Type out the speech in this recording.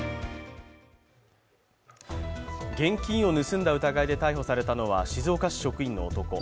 現金を盗んだ疑いで逮捕されたのは静岡市職員の男。